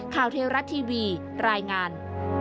ข่าวเทวรัตน์ทีวีรายงาน